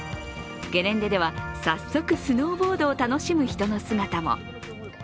ゲレンデでは、早速スノーボードを楽しむ人の姿も。